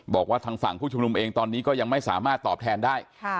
บอกว่าทางฝั่งผู้ชุมนุมเองตอนนี้ก็ยังไม่สามารถตอบแทนได้